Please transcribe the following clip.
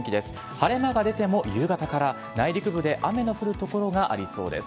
晴れ間が出ても夕方から内陸部で雨の降る所がありそうです。